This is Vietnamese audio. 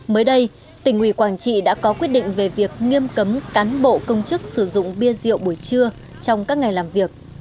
mới đây tỉnh ủy quảng trị đã có quyết định về việc nghiêm cấm cán bộ công chức sử dụng bia rượu buổi trưa trong các ngày làm việc